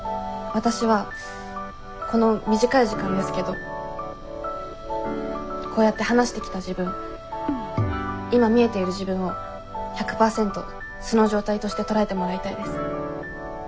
わたしはこの短い時間ですけどこうやって話してきた自分今見えている自分を１００％素の状態として捉えてもらいたいです。